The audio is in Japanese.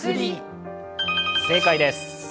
正解です。